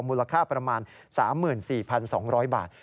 มูลค่าประมาณ๓๔๒๐๐บาท